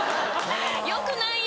「よくない！」